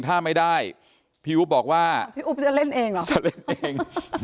ถ้าไม่ได้พี่อุ๊บบอกว่าพี่อุ๊บจะเล่นเองเหรอจะเล่นเอง